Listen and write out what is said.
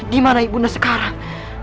dimana ibunda sekarang